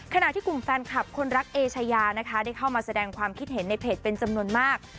ขณะที่กลุ่มแฟนคลับคนรักเอชายานะคะได้เข้ามาแสดงความคิดเห็นในเพจเป็นจำนวนมาก